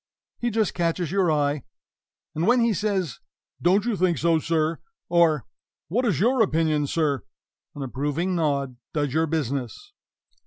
He just catches your eye, and when he says, "Don't you think so, sir?" or "What is your opinion, sir?" an approving nod does your business.